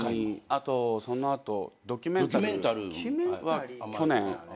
あとその後『ドキュメンタル』は去年。